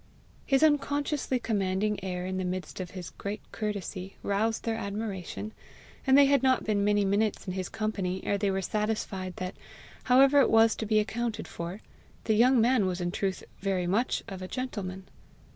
His unconsciously commanding air in the midst of his great courtesy, roused their admiration, and they had not been many minutes in his company ere they were satisfied that, however it was to be accounted for, the young man was in truth very much of a gentleman.